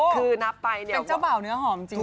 โอ้โฮเป็นเจ้าบ่าวเนื้อหอมจริงนะ